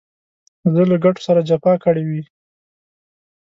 زه له ګټو سره جفا کړې وي.